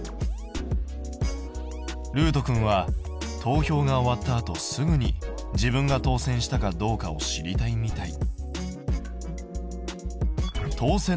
るうとくんは投票が終わったあとすぐに自分が当選したかどうかを知りたいみたい。